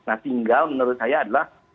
nah tinggal menurut saya adalah